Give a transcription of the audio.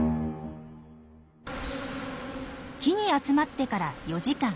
木に集まってから４時間。